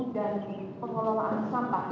dan pengelolaan sampah